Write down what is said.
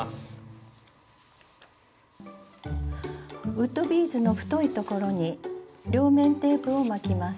ウッドビーズの太い所に両面テープを巻きます。